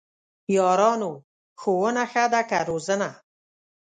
یارانو ! ښوونه ښه ده که روزنه؟!